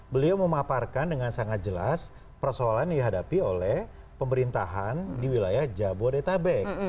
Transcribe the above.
beliau memaparkan dengan sangat jelas persoalan yang dihadapi oleh pemerintahan di wilayah jabodetabek